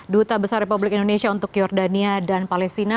duta besar republik indonesia untuk jordania dan palestina